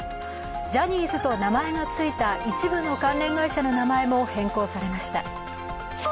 ジャニーズと名前が付いた一部の関連会社の名前も変更されました。